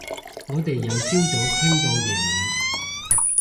我哋由朝早傾到夜晚